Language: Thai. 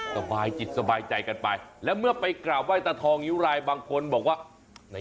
สบายจิตสบายใจกันไปแล้วเมื่อไปกราบไห้ตาทองนิ้วรายบางคนบอกว่าไหน